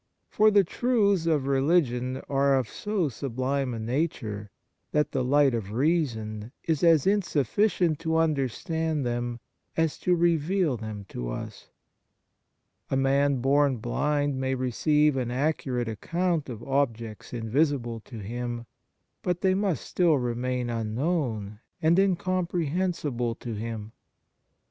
For the truths of religion are of so sublime a nature that the light of reason is as insufficient to understand them as to reveal them to us. A man born blind may receive an accurate account of objects invisible to him, but they must still remain unknown and in comprehensible to him.